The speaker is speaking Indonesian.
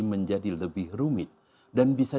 menjadi lebih rumit dan bisa